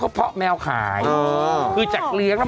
เขาไปเอาอะไรครับว่าคุณโอ๊คอ่ะ